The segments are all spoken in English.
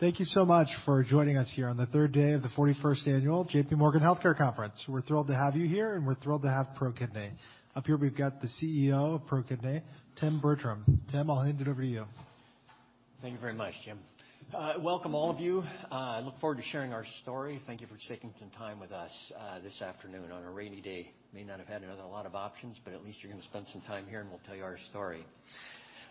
Thank you so much for joining us here on the 3rd Day of the 41st Annual J.P. Morgan Healthcare Conference. We're thrilled to have you here, and we're thrilled to have ProKidney. Up here, we've got the CEO of ProKidney, Tim Bertram. Tim, I'll hand it over to you. Thank you very much, Jim. Welcome, all of you. I look forward to sharing our story. Thank you for taking some time with us this afternoon on a rainy day. May not have had a lot of options, but at least you're gonna spend some time here, and we'll tell you our story.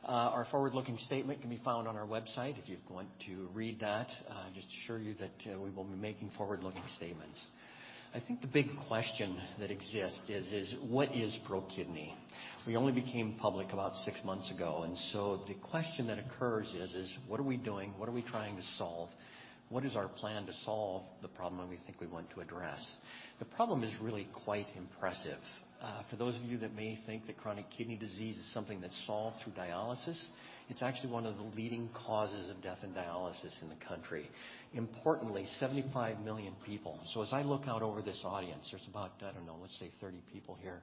Our forward-looking statement can be found on our website if you want to read that. Just to assure you that we will be making forward-looking statements. I think the big question that exists is what is ProKidney? We only became public about six months ago. The question that occurs is what are we doing? What are we trying to solve? What is our plan to solve the problem that we think we want to address? The problem is really quite impressive. For those of you that may think that chronic kidney disease is something that's solved through dialysis, it's actually one of the leading causes of death and dialysis in the country. Importantly, 75 million people. As I look out over this audience, there's about, let's say 30 people here.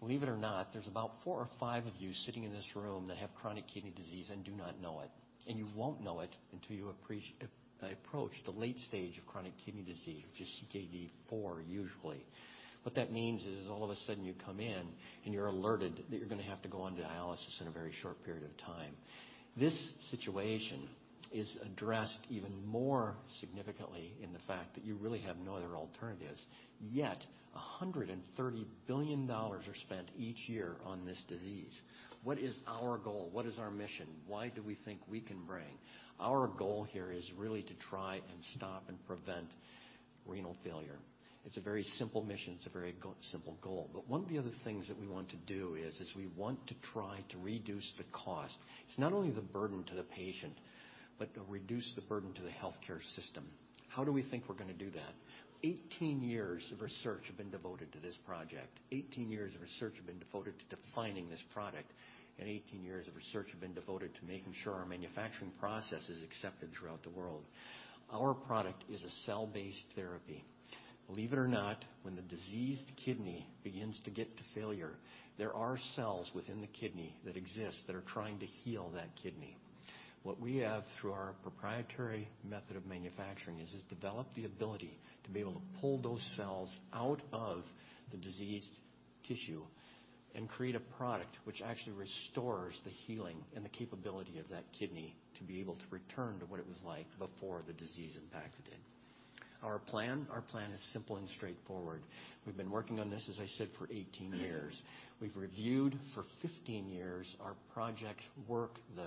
Believe it or not, there's about four or five of you sitting in this room that have chronic kidney disease and do not know it. You won't know it until you approach the late stage of chronic kidney disease, which is CKD4 usually. What that means is all of a sudden you come in and you're alerted that you're gonna have to go on dialysis in a very short period of time. This situation is addressed even more significantly in the fact that you really have no other alternatives, yet $130 billion are spent each year on this disease. What is our goal? What is our mission? Why do we think we can bring? Our goal here is really to try and stop and prevent renal failure. It's a very simple mission. It's a very simple goal. One of the other things that we want to do is we want to try to reduce the cost. It's not only the burden to the patient, but to reduce the burden to the healthcare system. How do we think we're gonna do that? 18 years of research have been devoted to this project. 18 years of research have been devoted to defining this product. 18 years of research have been devoted to making sure our manufacturing process is accepted throughout the world. Our product is a cell-based therapy. Believe it or not, when the diseased kidney begins to get to failure, there are cells within the kidney that exist that are trying to heal that kidney. What we have through our proprietary method of manufacturing is developed the ability to be able to pull those cells out of the diseased tissue and create a product which actually restores the healing and the capability of that kidney to be able to return to what it was like before the disease impacted it. Our plan is simple and straightforward. We've been working on this, as I said, for 18 years. We've reviewed for 15 years our project work, the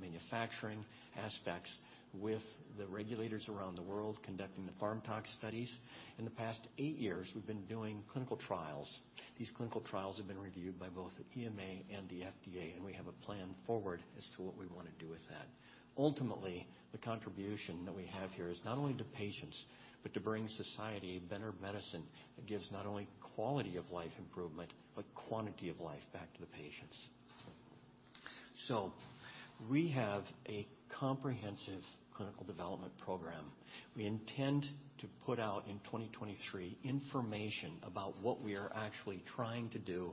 manufacturing aspects with the regulators around the world conducting the PharmTox studies. In the past eight years, we've been doing clinical trials. These clinical trials have been reviewed by both the EMA and the FDA, and we have a plan forward as to what we wanna do with that. Ultimately, the contribution that we have here is not only to patients, but to bring society better medicine that gives not only quality of life improvement, but quantity of life back to the patients. We have a comprehensive clinical development program. We intend to put out in 2023 information about what we are actually trying to do,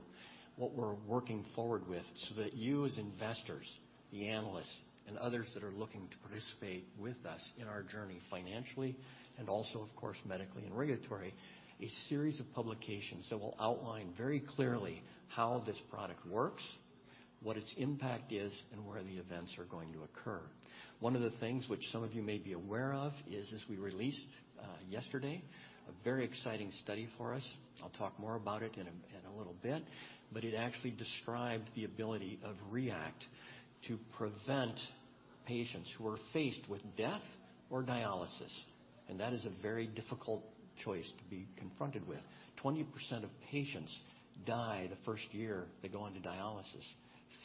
what we're working forward with, so that you as investors, the analysts and others that are looking to participate with us in our journey financially and also, of course, medically and regulatory, a series of publications that will outline very clearly how this product works, what its impact is, and where the events are going to occur. One of the things which some of you may be aware of is, as we released yesterday, a very exciting study for us. I'll talk more about it in a little bit, but it actually described the ability of REACT to prevent patients who are faced with death or dialysis. That is a very difficult choice to be confronted with. 20% of patients die the first year they go onto dialysis.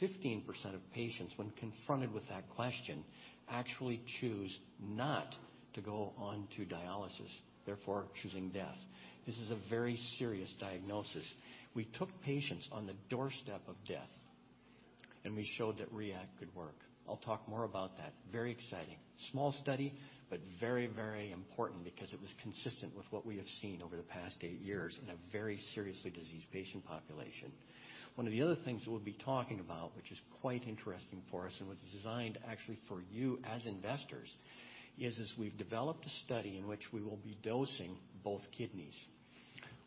15% of patients, when confronted with that question, actually choose not to go onto dialysis, therefore, choosing death. This is a very serious diagnosis. We took patients on the doorstep of death, and we showed that REACT could work. I'll talk more about that. Very exciting. Small study, but very, very important because it was consistent with what we have seen over the past eight years in a very seriously diseased patient population. One of the other things that we'll be talking about, which is quite interesting for us and was designed actually for you as investors, is as we've developed a study in which we will be dosing both kidneys.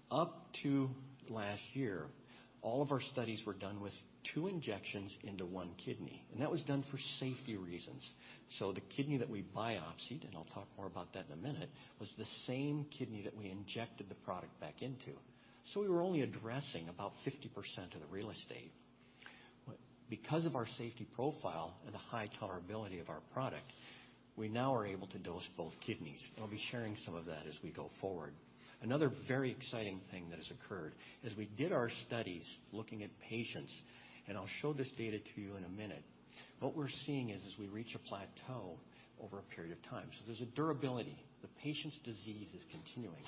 Up to last year, all of our studies were done with two injections into one kidney, and that was done for safety reasons. The kidney that we biopsied, and I'll talk more about that in a minute, was the same kidney that we injected the product back into. We were only addressing about 50% of the real estate. Because of our safety profile and the high tolerability of our product, we now are able to dose both kidneys. I'll be sharing some of that as we go forward. Another very exciting thing that has occurred as we did our studies looking at patients, and I'll show this data to you in a minute. What we're seeing is, we reach a plateau over a period of time. There's a durability. The patient's disease is continuing.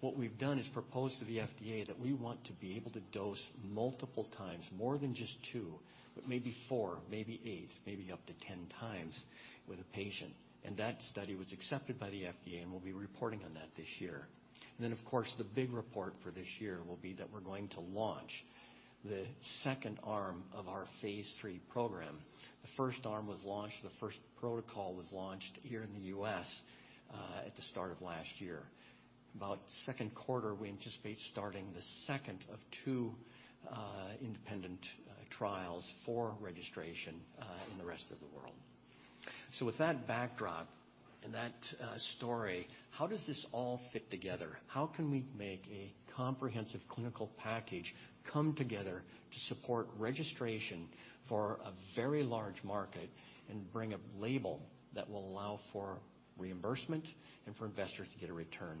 What we've done is propose to the FDA that we want to be able to dose multiple times, more than just two, but maybe four, maybe eight, maybe up to 10 times with a patient. That study was accepted by the FDA, and we'll be reporting on that this year. Then, of course, the big report for this year will be that we're going to launch the second arm of our phase 3 program. The first arm was launched, the first protocol was launched here in the U.S. at the start of last year. Second quarter, we anticipate starting the second of two independent trials for registration in the rest of the world. With that backdrop and that story, how does this all fit together? How can we make a comprehensive clinical package come together to support registration for a very large market and bring a label that will allow for reimbursement and for investors to get a return?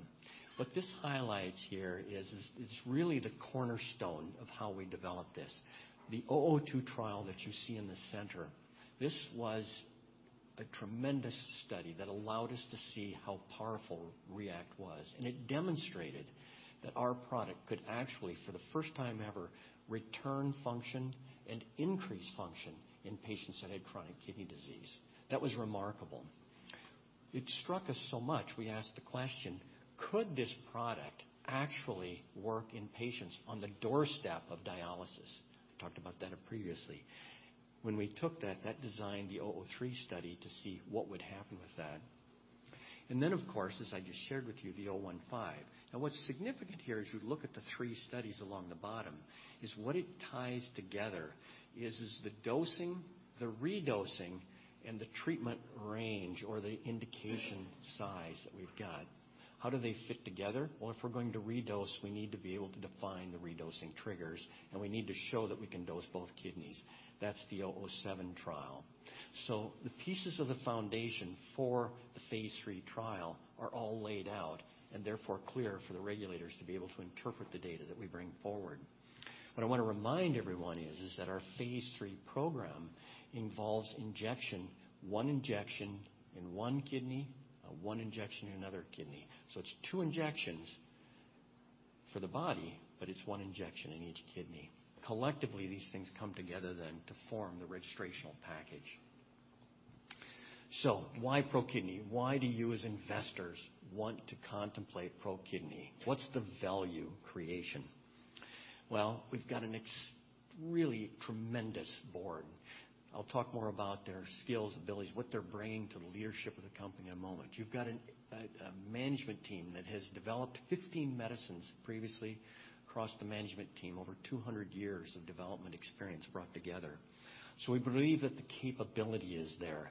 What this highlights here is, it's really the cornerstone of how we develop this. The 02 trial that you see in the center, this was a tremendous study that allowed us to see how powerful REACT was. It demonstrated that our product could actually, for the first time ever, return function and increase function in patients that had chronic kidney disease. That was remarkable. It struck us so much, we asked the question, could this product actually work in patients on the doorstep of dialysis? I talked about that previously. When we took that designed the 03 study to see what would happen with that. Of course, as I just shared with you, the 015. What's significant here, as you look at the three studies along the bottom, is what it ties together is the dosing, the redosing, and the treatment range or the indication size that we've got. How do they fit together? If we're going to redose, we need to be able to define the redosing triggers, and we need to show that we can dose both kidneys. That's the 07 trial. The pieces of the foundation for the phase 3 trial are all laid out, and therefore clear for the regulators to be able to interpret the data that we bring forward. What I wanna remind everyone is that our phase 3 program involves injection. One injection in one kidney, one injection in another kidney. It's two injections for the body, but it's one injection in each kidney. Collectively, these things come together then to form the registrational package. Why ProKidney? Why do you as investors want to contemplate ProKidney? What's the value creation? Well, we've got a really tremendous board. I'll talk more about their skills, abilities, what they're bringing to the leadership of the company in a moment. You've got a management team that has developed 15 medicines previously across the management team. Over 200 years of development experience brought together. We believe that the capability is there.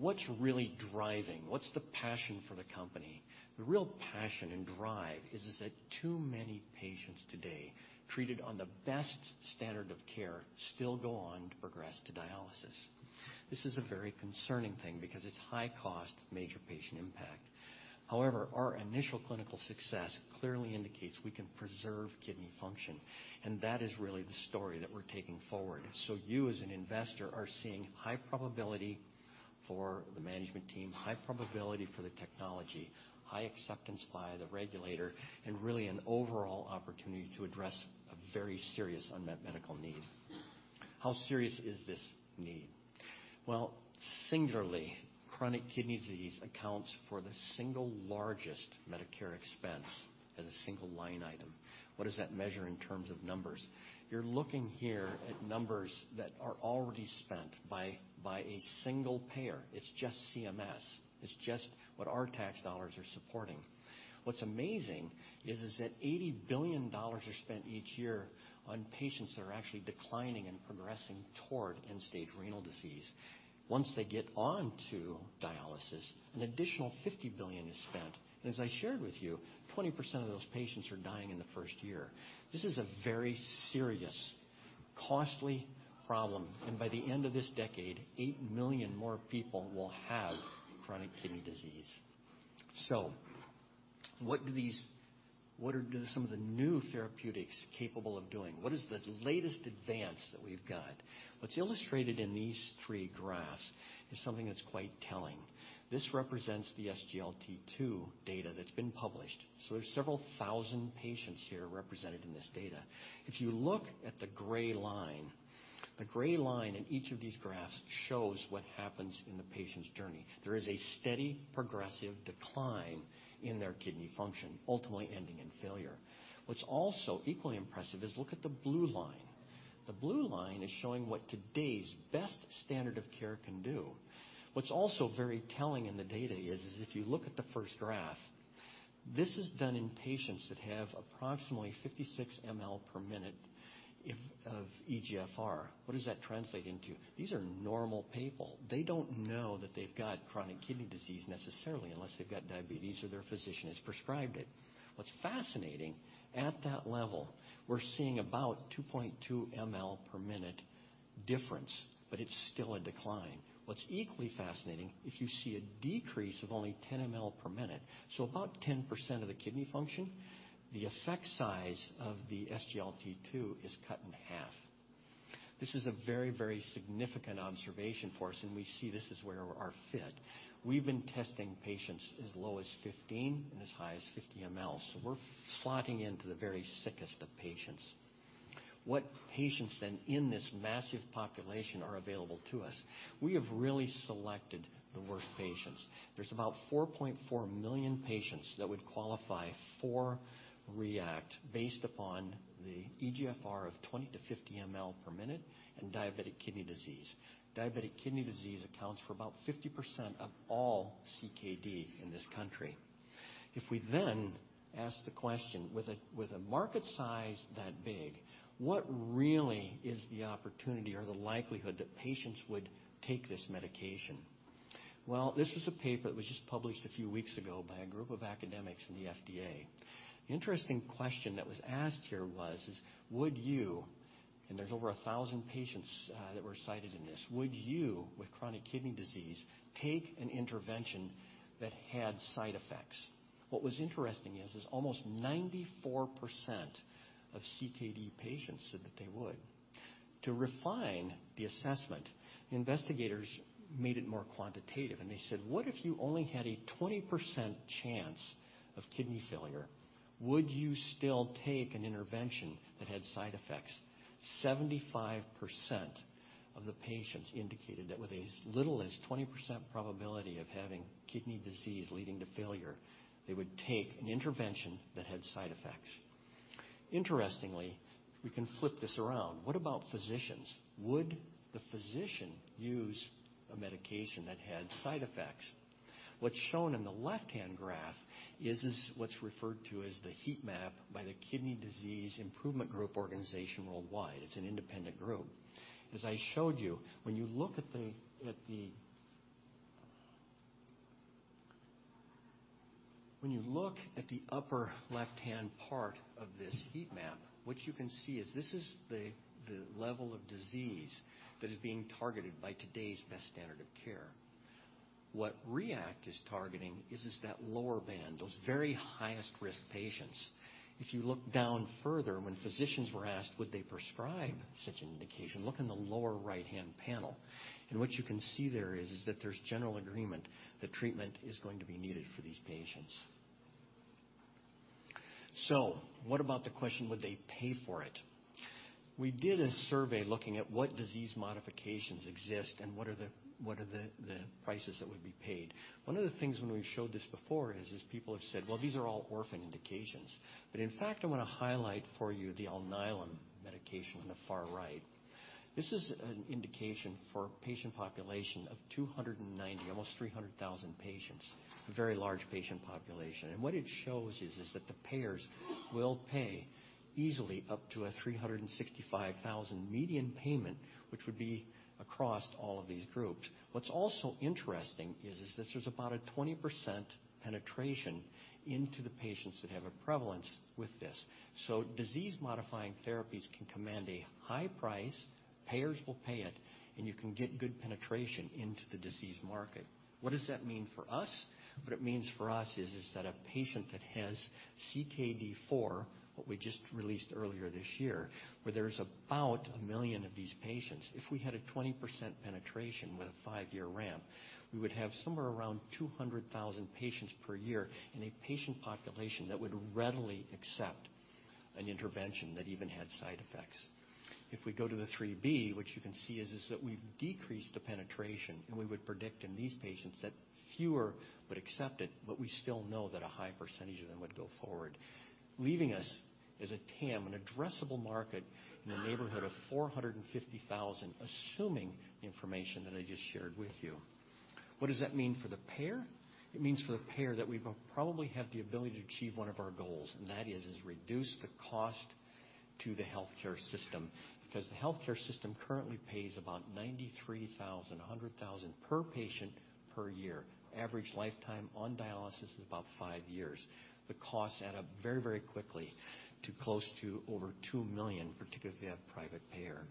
What's really driving? What's the passion for the company? The real passion and drive is that too many patients today, treated on the best standard of care, still go on to progress to dialysis. This is a very concerning thing because it's high cost, major patient impact. However, our initial clinical success clearly indicates we can preserve kidney function, and that is really the story that we're taking forward. You as an investor are seeing high probability for the management team, high probability for the technology, high acceptance by the regulator, and really an overall opportunity to address a very serious unmet medical need. How serious is this need? Well, singularly, chronic kidney disease accounts for the single largest Medicare expense as a single line item. What does that measure in terms of numbers? You're looking here at numbers that are already spent by a single payer. It's just CMS, it's just what our tax dollars are supporting. What's amazing is that $80 billion are spent each year on patients that are actually declining and progressing toward end-stage renal disease. Once they get onto dialysis, an additional $50 billion is spent. As I shared with you, 20% of those patients are dying in the first year. This is a very serious, costly problem, and by the end of this decade, 8 million more people will have chronic kidney disease. What are some of the new therapeutics capable of doing? What is the latest advance that we've got? What's illustrated in these three graphs is something that's quite telling. This represents the SGLT2 data that's been published. There's several thousand patients here represented in this data. If you look at the gray line, the gray line in each of these graphs shows what happens in the patient's journey. There is a steady progressive decline in their kidney function, ultimately ending in failure. What's also equally impressive is look at the blue line. The blue line is showing what today's best standard of care can do. What's also very telling in the data is if you look at the first graph, this is done in patients that have approximately 56 mL per minute of eGFR. What does that translate into? These are normal people. They don't know that they've got chronic kidney disease necessarily, unless they've got diabetes or their physician has prescribed it. What's fascinating, at that level, we're seeing about 2.2 mL per minute difference, but it's still a decline. What's equally fascinating, if you see a decrease of only 10 mL per minute, so about 10% of the kidney function, the effect size of the SGLT2 is cut in half. This is a very, very significant observation for us, and we see this is where our fit. We've been testing patients as low as 15 and as high as 50 mL. We're slotting into the very sickest of patients. Patients then in this massive population are available to us. We have really selected the worst patients. There's about 4.4 million patients that would qualify for REACT based upon the eGFR of 20-50 mL per minute and diabetic kidney disease. Diabetic kidney disease accounts for about 50% of all CKD in this country. If we then ask the question, with a market size that big, what really is the opportunity or the likelihood that patients would take this medication? Well, this is a paper that was just published a few weeks ago by a group of academics in the FDA. Interesting question that was asked here was, would you... And there's over 1,000 patients that were cited in this. Would you, with chronic kidney disease, take an intervention that had side effects? What was interesting is almost 94% of CKD patients said that they would. To refine the assessment, investigators made it more quantitative, and they said, "What if you only had a 20% chance of kidney failure? Would you still take an intervention that had side effects?" 75% of the patients indicated that with as little as 20% probability of having kidney disease leading to failure, they would take an intervention that had side effects. Interestingly, we can flip this around. What about physicians? Would the physician use a medication that had side effects? What's shown in the left-hand graph is what's referred to as the heat map by the Kidney Disease Improvement Group organization worldwide. It's an independent group. As I showed you, when you look at the... When you look at the upper left-hand part of this heat map, what you can see is this is the level of disease that is being targeted by today's best standard of care. What REACT is targeting is that lower band, those very highest risk patients. If you look down further, when physicians were asked would they prescribe such an indication, look in the lower right-hand panel. What you can see there is that there's general agreement that treatment is going to be needed for these patients. What about the question, would they pay for it? We did a survey looking at what disease modifications exist and what are the prices that would be paid. One of the things when we showed this before is people have said, "Well, these are all orphan indications." In fact, I wanna highlight for you the Alnylam medication on the far right. This is an indication for a patient population of 290,000, almost 300,000 patients, a very large patient population. What it shows is that the payers will pay easily up to a $365,000 median payment, which would be across all of these groups. What's also interesting is this was about a 20% penetration into the patients that have a prevalence with this. Disease-modifying therapies can command a high price, payers will pay it, and you can get good penetration into the disease market. What does that mean for us? What it means for us is that a patient that has CKD4, what we just released earlier this year, where there is about 1 million of these patients. If we had a 20% penetration with a 5-year ramp, we would have somewhere around 200,000 patients per year in a patient population that would readily accept an intervention that even had side effects. If we go to the 3B, what you can see is that we've decreased the penetration. We would predict in these patients that fewer would accept it. We still know that a high percentage of them would go forward. Leaving us is a TAM, an addressable market in the neighborhood of 450,000, assuming the information that I just shared with you. What does that mean for the payer? It means for the payer that we probably have the ability to achieve one of our goals, and that is, reduce the cost to the healthcare system. The healthcare system currently pays about $93,000, $100,000 per patient per year. Average lifetime on dialysis is about five years. The costs add up very, very quickly to close to over $2 million, particularly if you have private payer.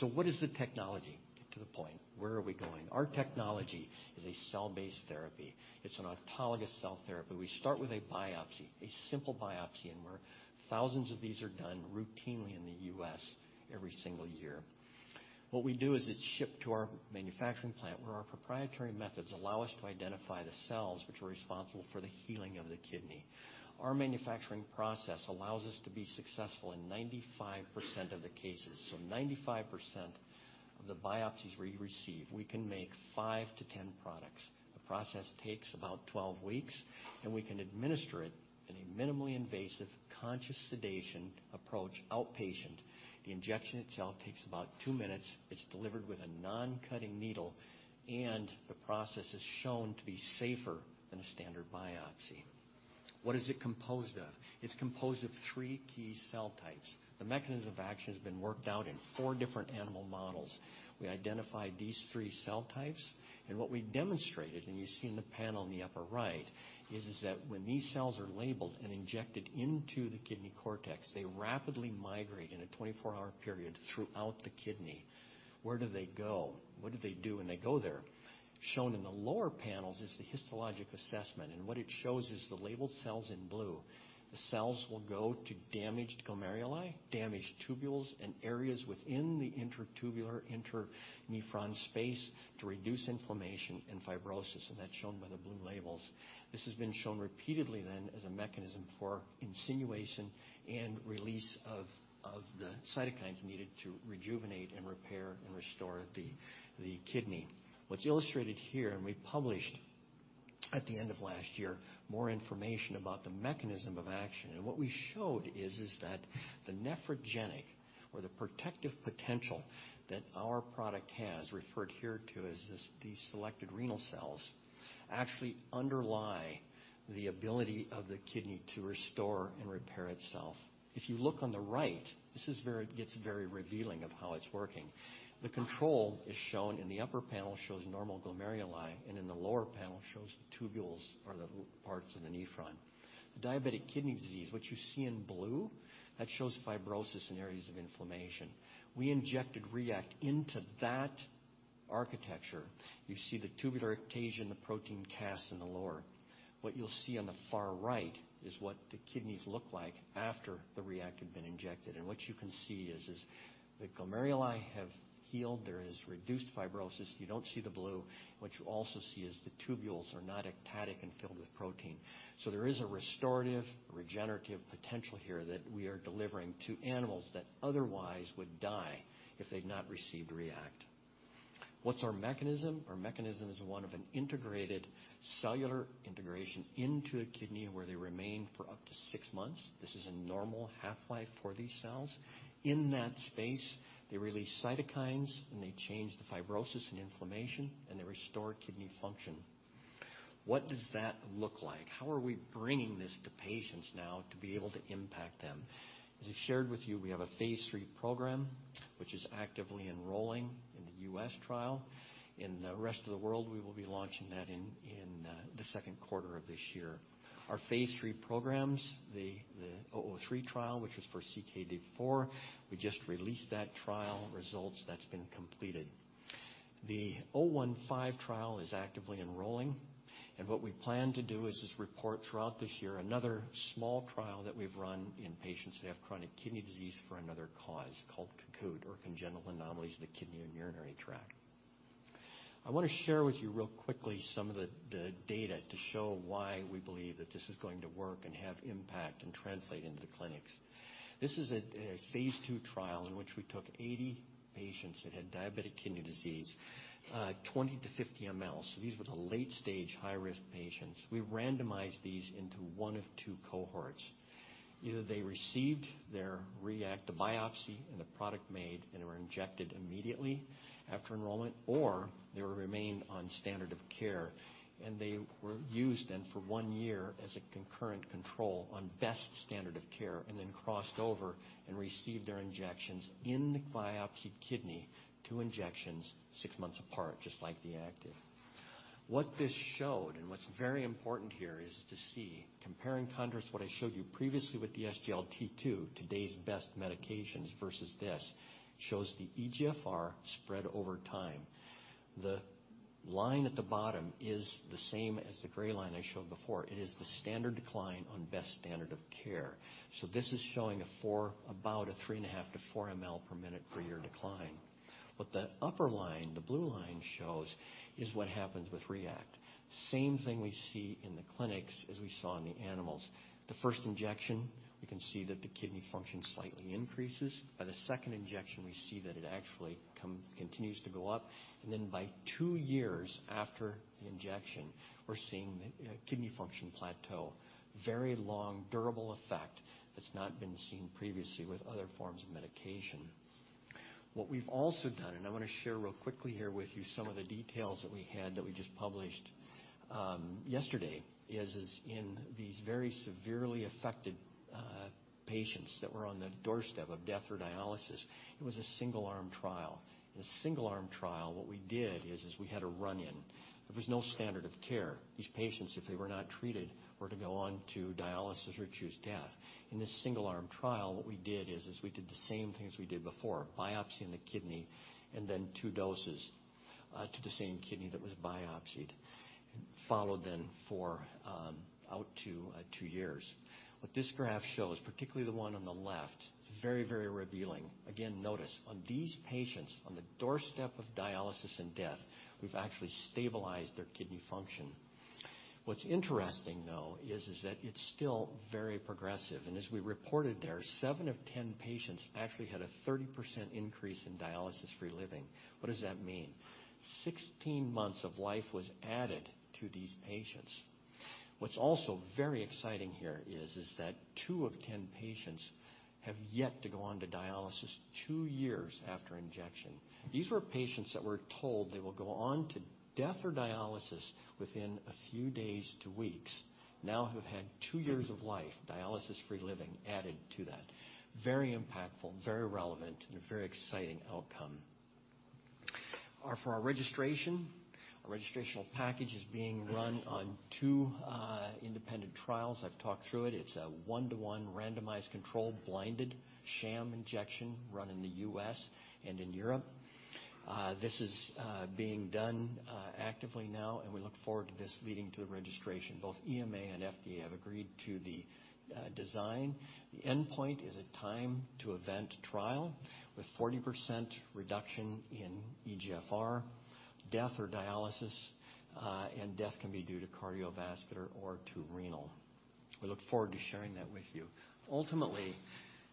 What is the technology? To the point, where are we going? Our technology is a cell-based therapy. It's an autologous cell therapy. We start with a biopsy, a simple biopsy, where thousands of these are done routinely in the U.S. every single year. What we do is it's shipped to our manufacturing plant, where our proprietary methods allow us to identify the cells which are responsible for the healing of the kidney. Our manufacturing process allows us to be successful in 95% of the cases. 95% of the biopsies we receive, we can make five to 10 products. The process takes about 12 weeks, and we can administer it in a minimally invasive conscious sedation approach, outpatient. The injection itself takes about two minutes. It's delivered with a non-cutting needle, and the process is shown to be safer than a standard biopsy. What is it composed of? It's composed of 3 key cell types. The mechanism of action has been worked out in four different animal models. We identified these three cell types, and what we demonstrated, and you see in the panel in the upper right, is that when these cells are labeled and injected into the kidney cortex, they rapidly migrate in a 24-hour period throughout the kidney. Where do they go? What do they do when they go there? Shown in the lower panels is the histologic assessment, and what it shows is the labeled cells in blue. The cells will go to damaged glomeruli, damaged tubules, and areas within the intertubular, internephron space to reduce inflammation and fibrosis, and that's shown by the blue labels. This has been shown repeatedly then as a mechanism for insinuation and release of the cytokines needed to rejuvenate and repair and restore the kidney. What's illustrated here, and we published at the end of last year more information about the mechanism of action. What we showed is that the nephrogenic or the protective potential that our product has referred here to as this Selected Renal Cells actually underlie the ability of the kidney to restore and repair itself. You look on the right, this gets very revealing of how it's working. The control is shown in the upper panel, shows normal glomeruli. In the lower panel shows the tubules or the parts of the nephron. The diabetic kidney disease, what you see in blue, that shows fibrosis and areas of inflammation. We injected REACT into that architecture. You see the tubular ectasia and the protein casts in the lower. What you'll see on the far right is what the kidneys look like after the REACT had been injected. What you can see is the glomeruli have healed. There is reduced fibrosis. You don't see the blue. What you also see is the tubules are not ectatic and filled with protein. There is a restorative, regenerative potential here that we are delivering to animals that otherwise would die if they'd not received REACT. What's our mechanism? Our mechanism is one of an integrated cellular integration into a kidney where they remain for up to 6 months. This is a normal half-life for these cells. In that space, they release cytokines, and they change the fibrosis and inflammation, and they restore kidney function. What does that look like? How are we bringing this to patients now to be able to impact them? As I shared with you, we have a phase 3 program, which is actively enrolling in the U.S. trial. In the rest of the world, we will be launching that in the second quarter of this year. Our phase 3 programs, the 003 trial, which was for CKD4, we just released that trial results. That's been completed. The REGEN-015 trial is actively enrolling, what we plan to do is report throughout this year another small trial that we've run in patients that have chronic kidney disease for another cause called CAKUT or congenital anomalies of the kidney and urinary tract. I wanna share with you real quickly some of the data to show why we believe that this is going to work and have impact and translate into the clinics. This is a phase 2 trial in which we took 80 patients that had diabetic kidney disease, 20 to 50 mL. These were the late stage high-risk patients. We randomized these into one of two cohorts. Either they received their REACT, the biopsy, and the product made and were injected immediately after enrollment, or they remained on standard of care. They were used then for one year as a concurrent control on best standard of care and then crossed over and received their injections in the biopsied kidney, two injections six months apart, just like the active. What this showed, and what's very important here, is to see, compare and contrast what I showed you previously with the SGLT2, today's best medications versus this, shows the eGFR spread over time. The line at the bottom is the same as the gray line I showed before. It is the standard decline on best standard of care. This is showing a 3.5-4 mL per minute per year decline. What the upper line, the blue line shows is what happens with REACT. Same thing we see in the clinics as we saw in the animals. The first injection, we can see that the kidney function slightly increases. By the second injection, we see that it actually continues to go up. By two years after the injection, we're seeing the kidney function plateau. Very long, durable effect that's not been seen previously with other forms of medication. What we've also done, and I wanna share real quickly here with you some of the details that we had that we just published yesterday, is in these very severely affected patients that were on the doorstep of death or dialysis. It was a single-arm trial. In a single-arm trial, what we did is we had a run-in. There was no standard of care. These patients, if they were not treated, were to go on to dialysis or choose death. In this single-arm trial, what we did is we did the same things we did before, biopsy in the kidney and then two doses to the same kidney that was biopsied, followed then for out to two years. What this graph shows, particularly the one on the left, it's very, very revealing. Again, notice on these patients on the doorstep of dialysis and death, we've actually stabilized their kidney function. What's interesting, though, is that it's still very progressive. As we reported there, seven of 10 patients actually had a 30% increase in dialysis-free living. What does that mean? 16 months of life was added to these patients. What's also very exciting here is that two of 10 patients have yet to go on to dialysis two years after injection. These were patients that were told they will go on to death or dialysis within a few days to weeks, now who have had two years of life, dialysis-free living added to that. Very impactful, very relevant, and a very exciting outcome. For our registration, our registrational package is being run on two independent trials. I've talked through it. It's a one-to-one randomized controlled blinded sham injection run in the U.S. and in Europe. This is being done actively now, and we look forward to this leading to the registration. Both EMA and FDA have agreed to the design. The endpoint is a time to event trial with 40% reduction in eGFR, death or dialysis, and death can be due to cardiovascular or to renal. We look forward to sharing that with you. Ultimately,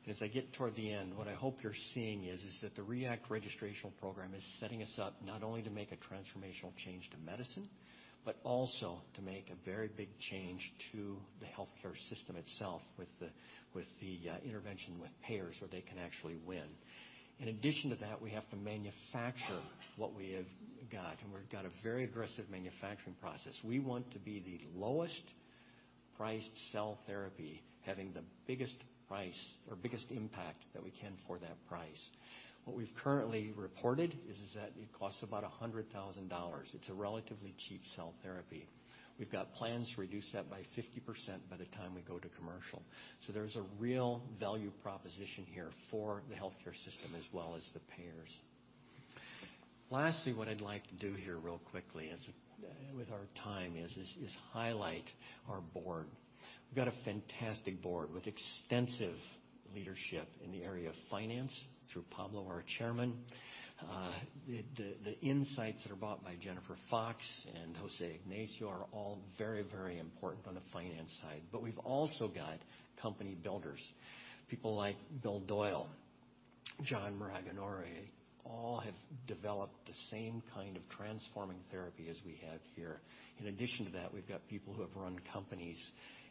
as I get toward the end, what I hope you're seeing is that the REACT registrational program is setting us up not only to make a transformational change to medicine, but also to make a very big change to the healthcare system itself with the intervention with payers where they can actually win. In addition to that, we have to manufacture what we have got, and we've got a very aggressive manufacturing process. We want to be the lowest priced cell therapy, having the biggest price or biggest impact that we can for that price. What we've currently reported is that it costs about $100,000. It's a relatively cheap cell therapy. We've got plans to reduce that by 50% by the time we go to commercial. There's a real value proposition here for the healthcare system as well as the payers. Lastly, what I'd like to do here real quickly, as with our time is highlight our board. We've got a fantastic board with extensive leadership in the area of finance through Pablo, our Chairman. The insights that are bought by Jennifer Fox and James Coulston are all very, very important on the finance side. We've also got company builders, people like Bill Doyle, John Maraganore, all have developed the same kind of transforming therapy as we have here. In addition to that, we've got people who have run companies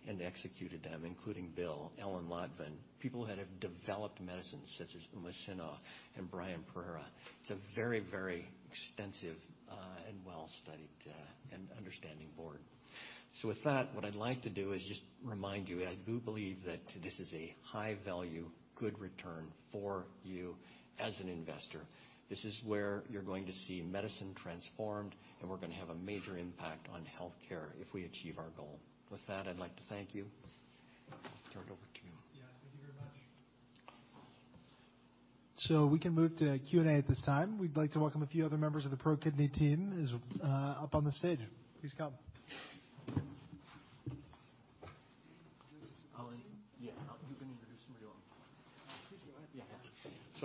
and executed them, including Bill, Alan M. Lotvin, people that have developed medicines such as Uma Sinha and Brian Pereira. It's a very extensive and well-studied and understanding board. With that, what I'd like to do is just remind you, I do believe that this is a high value, good return for you as an investor. This is where you're going to see medicine transformed, and we're gonna have a major impact on healthcare if we achieve our goal. With that, I'd like to thank you. I'll turn it over to you. Yeah. Thank you very much. We can move to Q&A at this time. We'd like to welcome a few other members of the ProKidney team is up on the stage. Please come.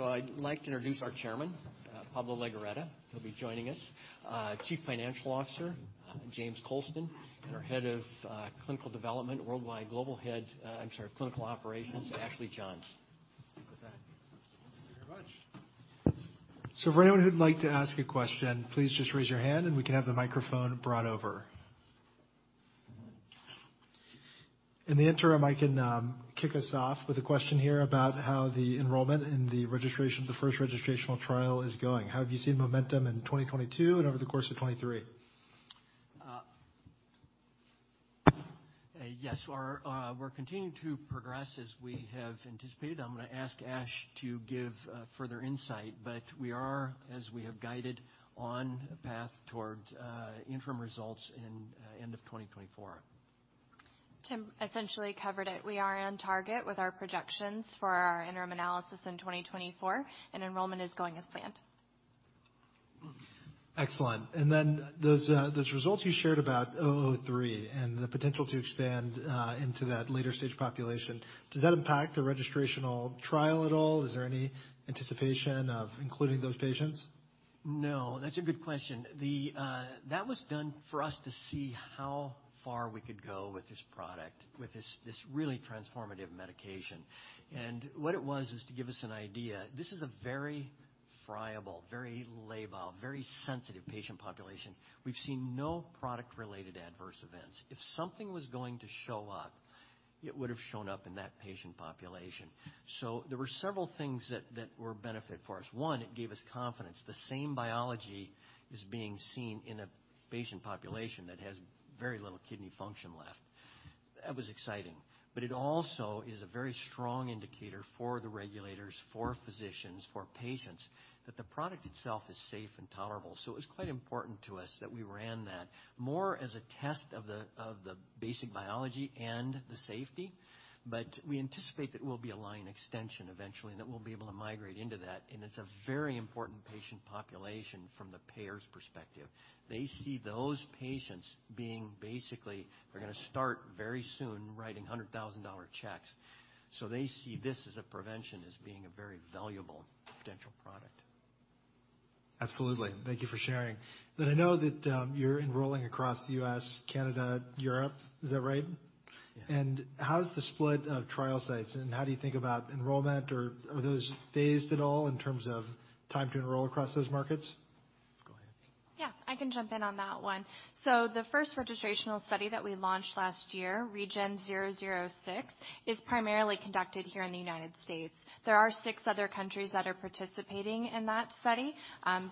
Alan. Yeah. You can introduce them or you want me to? Please go ahead. Yeah. I'd like to introduce our Chairman, Pablo Legorreta. He'll be joining us. Chief Financial Officer, James Coulston, and our Head of Clinical Development Worldwide, Global Head, I'm sorry, Clinical Operations, Ashley Johns. With that. Thank you very much. For anyone who'd like to ask a question, please just raise your hand and we can have the microphone brought over. In the interim, I can kick us off with a question here about how the enrollment and the registration, the first registrational trial is going. How have you seen momentum in 2022 and over the course of 23? Yes. Our, we're continuing to progress as we have anticipated. I'm gonna ask Ash to give further insight, but we are, as we have guided, on a path towards interim results in end of 2024. Tim essentially covered it. We are on target with our projections for our interim analysis in 2024. Enrollment is going as planned. Excellent. Those results you shared about 003 and the potential to expand into that later stage population, does that impact the registrational trial at all? Is there any anticipation of including those patients? No, that's a good question. The. That was done for us to see how far we could go with this product, with this really transformative medication. What it was is to give us an idea. This is a very friable, very labile, very sensitive patient population. We've seen no product-related adverse events. If something was going to show up, it would have shown up in that patient population. There were several things that were a benefit for us. One, it gave us confidence. The same biology is being seen in a patient population that has very little kidney function left. That was exciting. It also is a very strong indicator for the regulators, for physicians, for patients, that the product itself is safe and tolerable. It was quite important to us that we ran that more as a test of the basic biology and the safety. We anticipate that it will be a line extension eventually, and that we'll be able to migrate into that, and it's a very important patient population from the payer's perspective. They see those patients. They're gonna start very soon writing $100 thousand dollar checks. They see this as a prevention as being a very valuable potential product. Absolutely. Thank you for sharing. I know that you're enrolling across the U.S., Canada, Europe. Is that right? Yeah. How's the split of trial sites, and how do you think about enrollment or are those phased at all in terms of time to enroll across those markets? Go ahead. I can jump in on that one. The first registrational study that we launched last year, REGEN-006, is primarily conducted here in the United States. There are six other countries that are participating in that study.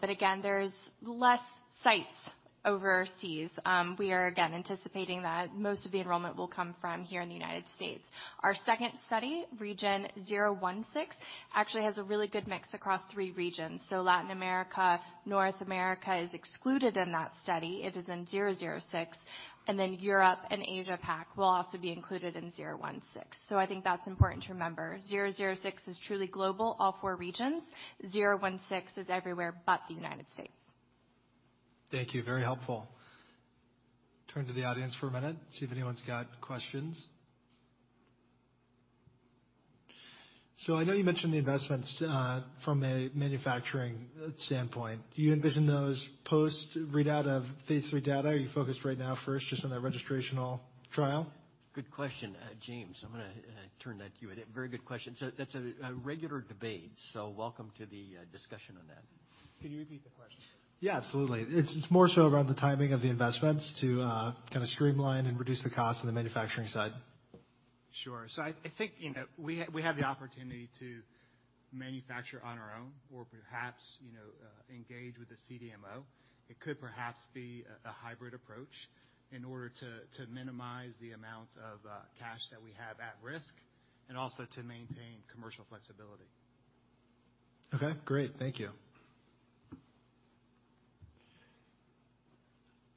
Again, there's less sites overseas. We are again anticipating that most of the enrollment will come from here in the United States. Our second study, REGEN-016, actually has a really good mix across three regions. Latin America, North America is excluded in that study. It is in 006, Europe and Asia-Pac will also be included in 016. I think that's important to remember. 006 is truly global, all four regions. 016 is everywhere but the United States. Thank you. Very helpful. Turn to the audience for a minute, see if anyone's got questions. I know you mentioned the investments, from a manufacturing standpoint. Do you envision those post readout of phase 3 data? Are you focused right now first just on that registrational trial? Good question. James, I'm gonna turn that to you. Very good question. That's a regular debate, so welcome to the discussion on that. Can you repeat the question? Yeah, absolutely. It's more so around the timing of the investments to kinda streamline and reduce the cost on the manufacturing side. Sure. I think, you know, we have the opportunity to manufacture on our own or perhaps, you know, engage with the CDMO. It could perhaps be a hybrid approach in order to minimize the amount of cash that we have at risk, and also to maintain commercial flexibility. Okay, great. Thank you.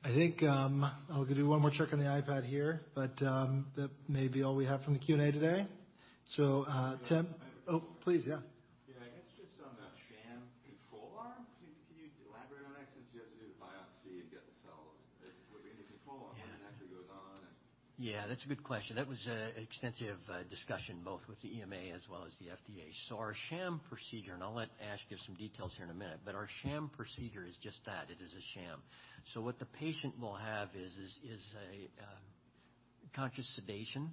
I think, I'll do one more check on the iPad here, but, that may be all we have from the Q&A today. Oh, please. Yeah. Yeah. I guess just on the sham control arm. Can you elaborate on that since you have to do the biopsy and get the cells? With the new control arm- Yeah. what exactly goes on and... That's a good question. That was a extensive discussion, both with the EMA as well as the FDA. Our sham procedure, and I'll let Ash give some details here in a minute, but our sham procedure is just that. It is a sham. What the patient will have is a conscious sedation.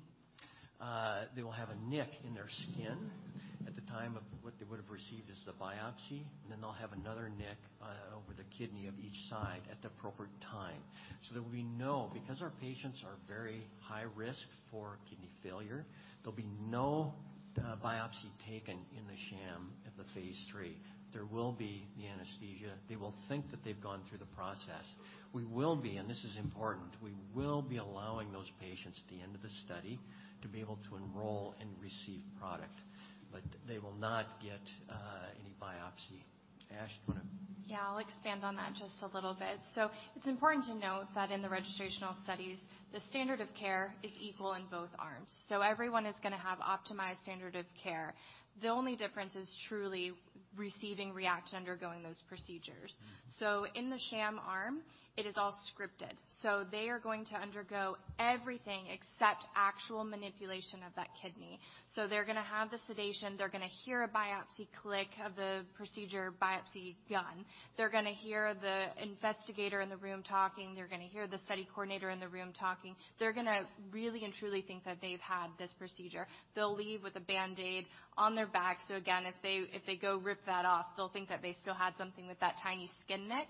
They will have a nick in their skin at the time of what they would've received as the biopsy, and then they'll have another nick over the kidney of each side at the appropriate time. That we know, because our patients are very high risk for kidney failure, there'll be no biopsy taken in the sham at the phase 3. There will be the anesthesia. They will think that they've gone through the process. We will be, and this is important, we will be allowing those patients at the end of the study to be able to enroll and receive product, but they will not get, any biopsy. Ash, you wanna- Yeah. I'll expand on that just a little bit. It's important to note that in the registrational studies, the standard of care is equal in both arms. Everyone is going to have optimized standard of care. The only difference is truly receiving REACT to undergoing those procedures. Mm-hmm. In the sham arm, it is all scripted. They are going to undergo everything except actual manipulation of that kidney. They're gonna have the sedation, they're gonna hear a biopsy click of the procedure biopsy gun. They're gonna hear the investigator in the room talking. They're gonna hear the study coordinator in the room talking. They're gonna really and truly think that they've had this procedure. They'll leave with a Band-Aid on their back. Again, if they, if they go rip that off, they'll think that they still had something with that tiny skin nick.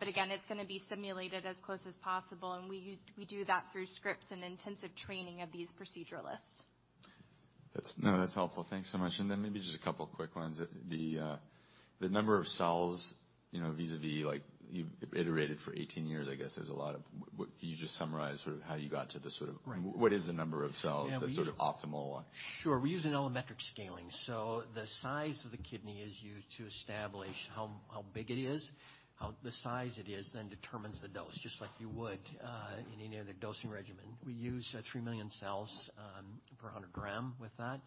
But again, it's gonna be simulated as close as possible, and we do that through scripts and intensive training of these proceduralists. No, that's helpful. Thanks so much. Maybe just a couple quick ones. The number of cells, you know, vis-a-vis like you've iterated for 18 years. Would you just summarize sort of how you got to the sort of? Right. What is the number of cells that's sort of optimal? Sure. We use an allometric scaling. The size of the kidney is used to establish how big it is. The size it is then determines the dose, just like you would in any other dosing regimen. We use 3 million cells per 100 gram with that.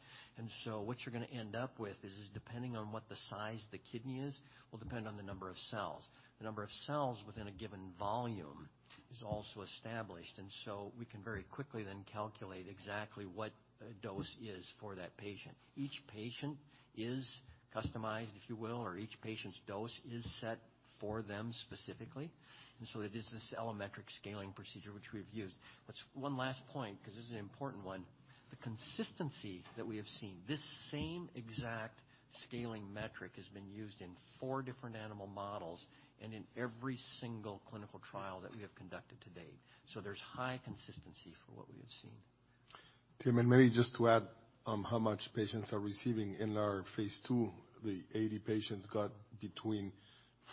What you're gonna end up with is depending on what the size the kidney is, will depend on the number of cells. The number of cells within a given volume is also established. We can very quickly then calculate exactly what a dose is for that patient. Each patient is customized, if you will, or each patient's dose is set for them specifically. It is this allometric scaling procedure which we've used. One last point, 'cause this is an important one, the consistency that we have seen, this same exact scaling metric has been used in 4 different animal models and in every single clinical trial that we have conducted to date. There's high consistency for what we have seen. Tim, maybe just to add, how much patients are receiving. In our phase 2, the 80 patients got between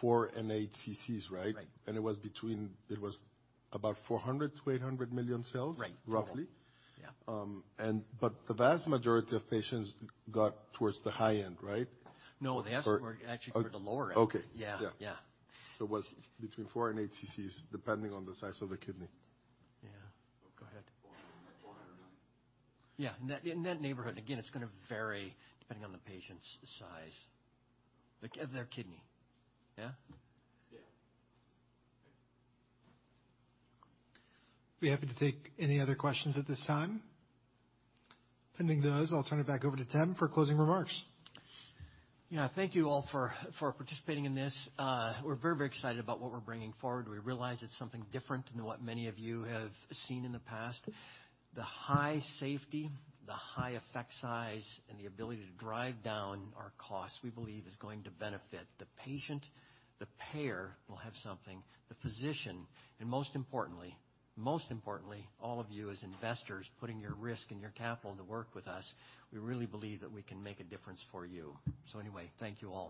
4 and 8 CCs, right? Right. It was about 400 million-800 million cells. Right. -roughly. Yeah. The vast majority of patients got towards the high end, right? No, they actually were toward the lower end. Okay. Yeah. Yeah. Yeah. It was between 4 and 8 CCs, depending on the size of the kidney. Yeah. Go ahead. $400 million. Yeah. In that neighborhood. Again, it's gonna vary depending on the patient's size of their kidney. Yeah? Yeah. Be happy to take any other questions at this time. Pending those, I'll turn it back over to Tim for closing remarks. Yeah. Thank you all for participating in this. We're very excited about what we're bringing forward. We realize it's something different than what many of you have seen in the past. The high safety, the high effect size, and the ability to drive down our costs, we believe is going to benefit the patient, the payer will have something, the physician, and most importantly, all of you as investors putting your risk and your capital to work with us, we really believe that we can make a difference for you. Anyway, thank you all.